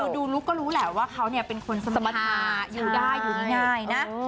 ดูลุคก็รู้แหละว่าเขาเป็นคนสมรรถาอยู่ได้อยู่ง่ายนะ